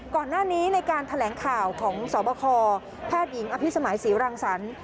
ก่อนหน้านี้ในการแถลงข่าวของสบคแพทย์หญิงอภิษมัยศรีรังสรรค์